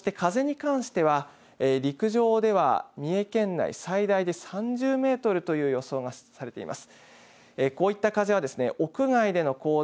そして風に関しては、陸上では三重県内、最大で３０メートルという予想がされています。